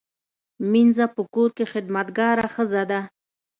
مینځه په کور کې خدمتګاره ښځه ده